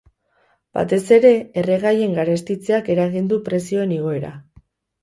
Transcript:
Batez ere, erregaien garestitzeak eragin du prezioen igoera.